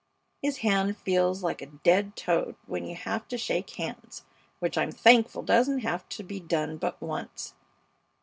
His hand feels like a dead toad when you have to shake hands, which I'm thankful doesn't have to be done but once.